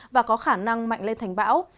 và có khả năng mạnh lên thành bão